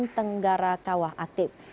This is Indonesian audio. yang tenggara kawah aktif